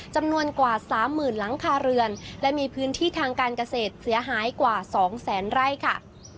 จำนวนกว่าสามหมื่นหลังคาเรือนและมีพื้นที่ทางการเกษตรเสียหายกว่า๒แสนไร่ค่ะ